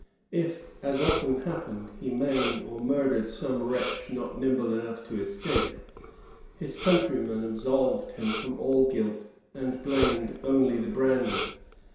If, as often happened, he maimed or murdered some wretch not nimble enough to escape, his country men absolved him from all guilt, and blamed only the brandy.